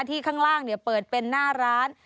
ข้างล่างเปิดเป็นหน้าร้าน